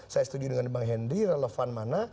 saya setuju dengan bang henry relevan mana